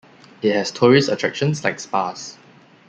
It has tourist attractions like spas.